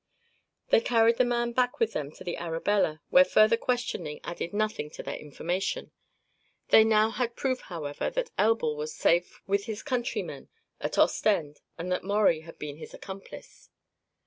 They carried the man back with them to the Arabella, where further questioning added nothing to their information. They now had proof, however, that Elbl was safe with his countrymen at Ostend and that Maurie had been his accomplice.